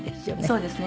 そうですね。